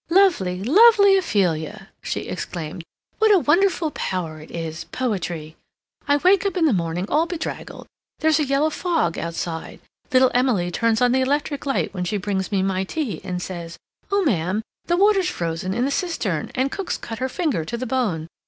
"Lovely, lovely Ophelia!" she exclaimed. "What a wonderful power it is—poetry! I wake up in the morning all bedraggled; there's a yellow fog outside; little Emily turns on the electric light when she brings me my tea, and says, 'Oh, ma'am, the water's frozen in the cistern, and cook's cut her finger to the bone.